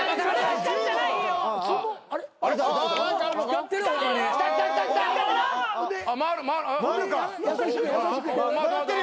光ってる。